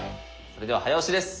それでは早押しです。